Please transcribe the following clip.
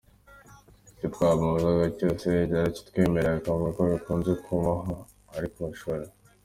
Icyo twamubazaga cyose yarakitwemereraga, akavuga ko bikunze kumaho ari ku ishuri”.